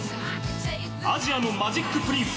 アジアのマジックプリンス。